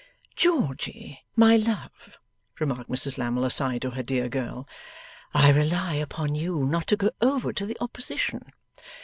'Georgy, my love,' remarked Mrs Lammle aside to her dear girl, 'I rely upon you not to go over to the opposition.